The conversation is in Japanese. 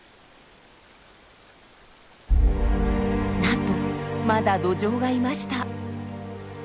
なんとまだドジョウがいました。